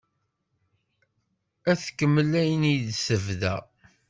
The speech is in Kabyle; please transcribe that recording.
Ad tkemmel ayen i d-tebda?